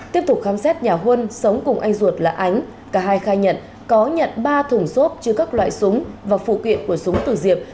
tiếp tục khám xét nhà huân sống cùng anh ruột là ánh cả hai khai nhận có nhận ba thùng xốp chứa các loại súng và phụ kiện của súng từ diệp